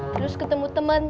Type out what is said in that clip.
terus ketemu temen